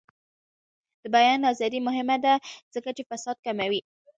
د بیان ازادي مهمه ده ځکه چې فساد کموي.